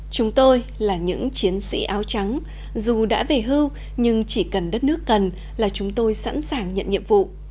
chúng tôi là những chiến sĩ áo trắng dù đã về hưu nhưng chỉ cần đất nước cần là chúng tôi sẵn sàng nhận nhiệm vụ